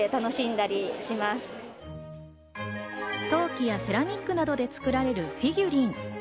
陶器やセラミックなどで作られるフィギュリン。